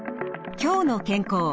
「きょうの健康」